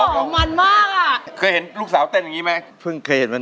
ตอนนี้ร้องได้แรงหนึ่งเพลงรับแล้ว